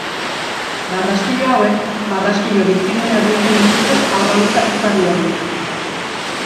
Barraskilo hauek barraskilo bizidun erditzen dituzte arrautzak jarri ordez.